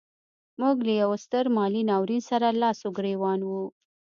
موږ له یوه ستر مالي ناورین سره لاس و ګرېوان وو.